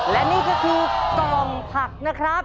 และนี่ก็คือกล่องผักนะครับ